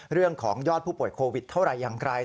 เรื่องของยอดผู้ป่วยโควิดเท่าไหร่อย่างไร